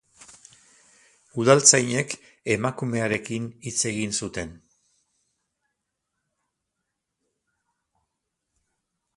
Udaltzainek emakumearekin hitz egin zuten.